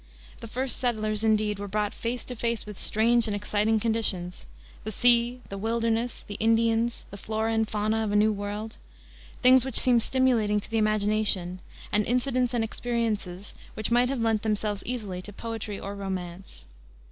The first settlers, indeed, were brought face to face with strange and exciting conditions the sea, the wilderness, the Indians, the flora and fauna of a new world things which seem stimulating to the imagination, and incidents and experiences which might have lent themselves easily to poetry or romance.